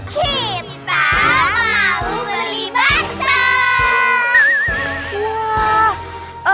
kita mau beli bakso